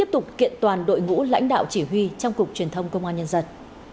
toàn đội ngũ lãnh đạo chỉ huy trong cục truyền thông công an nhân dân